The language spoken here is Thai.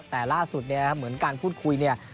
แต่ล่าสุดเนี่ยเหมือนการพูดคุยเนี่ย